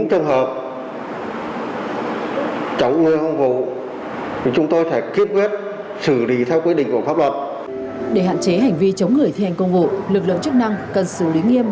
để hạn chế hành vi chống người thi hành công vụ lực lượng chức năng cần xử lý nghiêm